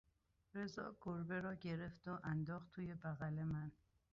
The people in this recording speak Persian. رضا گربه را گرفت و انداخت توی بغل من.